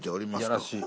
いやらしい。